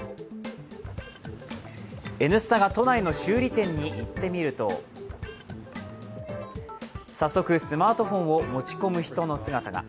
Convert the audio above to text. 「Ｎスタ」が都内の修理店に行ってみるとさっそく、スマートフォンを持ち込む人の姿が。